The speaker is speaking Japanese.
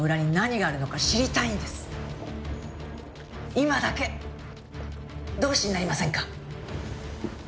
今だけ同志になりませんか？